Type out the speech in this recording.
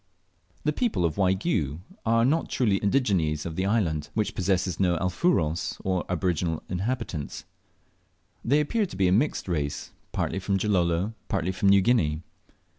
The people of Waigiou are not truly indigenes of the island, which possesses no "Alfuros," or aboriginal inhabitants. They appear to be a mixed race, partly from Gilolo, partly from New Guinea.